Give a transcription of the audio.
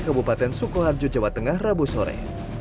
kabupaten sukoharjo jawa tengah rabu sore